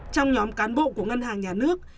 trong nhóm cán bộ của ngân hàng nhà nước